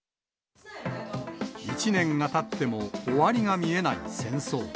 １年がたっても終わりが見えない戦争。